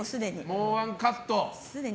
もう１カット。